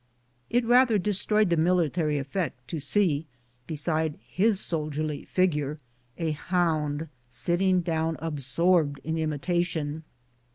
It rather destroyed the military ef fect to see, beside his soldierly figure, a hound sitting down absorbed in imitation.